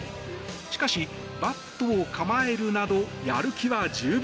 しかし、バットを構えるなどやる気は十分。